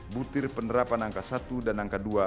butir penerapan angka satu dan angka dua